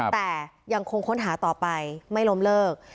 แต่ยังคงค้นหาต่อไปไม่ล้มเลิก